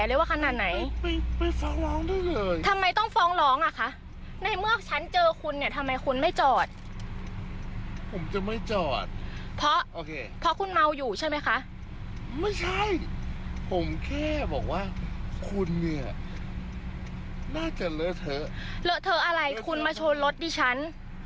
เลอะเทอะอะไรคุณมาชนรถดิฉัน